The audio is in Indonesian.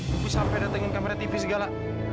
tapi sampai ada dengan kamera tv segala